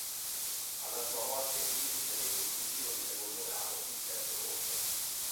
Alla sua morte gli succedette il cugino di secondo grado, il sesto conte.